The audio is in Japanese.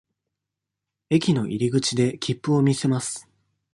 駅の入口で切符を見せます。